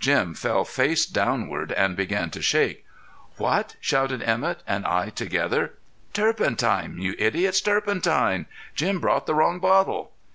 Jim fell face downward and began to shake. "What?" shouted Emett and I together. "Turpentine, you idiots! Turpentine! Jim brought the wrong bottle!"